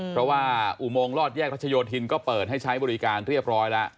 เพราะว่าอุโมงลอดแยกรัชโยธินก็เปิดให้ใช้บริการเรียบร้อยแล้ว